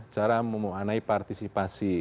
cara memaknai partisipasi